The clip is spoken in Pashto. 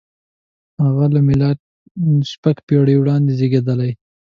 • هغه له مېلاده شپږ پېړۍ وړاندې زېږېدلی دی.